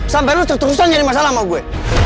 sampai lulus terus terusan jadi masalah sama gue